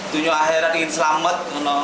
tujuh akhirat ingin selamat